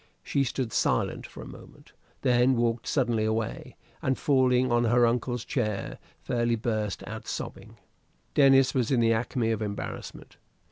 She stood silent for a moment, then walked suddenly away, and falling on her uncle's chair, fairly burst out sobbing. Denis was in the acme of embarrassment.